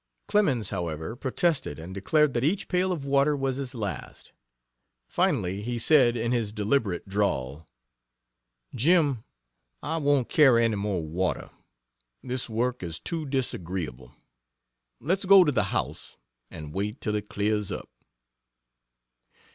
Clemens, however, protested, and declared that each pail of water was his last. Finally he said, in his deliberate drawl: "Jim, I won't carry any more water. This work is too disagreeable. Let's go to the house and wait till it clears up."